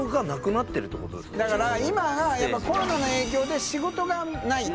だから今コロナの影響で仕事がない。